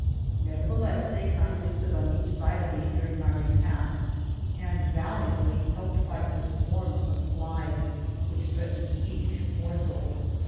Nevertheless they kindly stood on each side of me during my repast, and valiantly helped fight the swarms of flies which threatened each morsel.